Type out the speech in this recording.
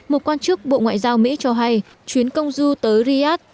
một quan chức bộ ngoại giao mỹ cho hay chuyến công du tới riyadh